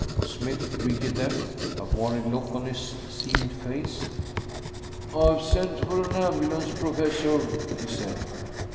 Smythe greeted them, a worried look on his seamed face. "I've sent for an ambulance, Professor," he said.